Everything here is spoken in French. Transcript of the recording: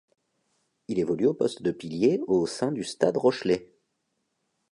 Il évolue au poste de pilier au sein du Stade rochelais.